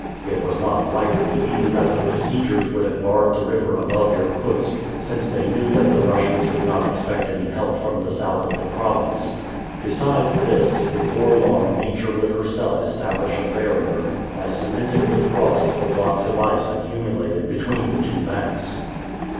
It was not likely either that the besiegers would have barred the river above Irkutsk, since they knew that the Russians could not expect any help from the south of the province. Besides this, before long Nature would herself establish a barrier, by cementing with frost the blocks of ice accumulated between the two banks.